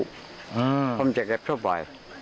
เพราะมันจะแก๊บเท่าไหร่